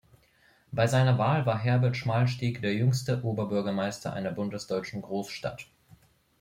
Bei seiner Wahl war Herbert Schmalstieg der jüngste Oberbürgermeister einer bundesdeutschen Großstadt.